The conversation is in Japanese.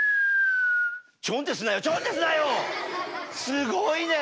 すごいね。